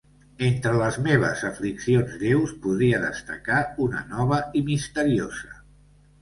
Entre les meves afliccions lleus, podria destacar una nova i misteriosa.